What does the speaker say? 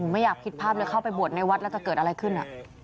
ไม่อยากผิดภาพเลยเข้าไปบวชในวัดแล้วจะเกิดอะไรขึ้น